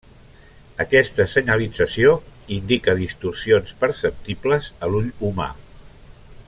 Aquesta senyalització indica distorsions perceptibles a l'ull humà.